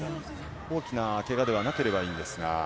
大きな怪我でなければいいんですが。